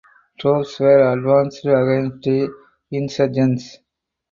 Troops were advanced against the insurgents.